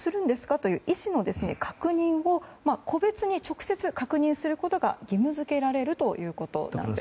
という意思の確認を個別に直接確認することが義務付けられるということです。